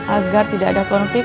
agar tidak ada konflik